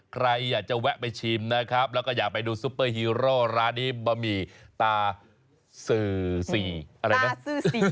ใครอ่ะจะแวะไปชิมนะครับแล้วก็อย่าไปดูซูเปอร์ฮีโร่ร้านิบบะหมี่ตาสื่อสี่อะไรนะตาซื่อสี่